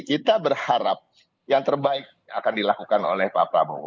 kita berharap yang terbaik akan dilakukan oleh pak prabowo